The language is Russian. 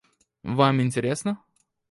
Вам интересно.